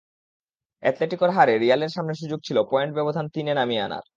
অ্যাটলোটিকোর হারে রিয়ালের সামনে সুযোগ ছিল পয়েন্টের ব্যবধান তিনে নামিয়ে আনার।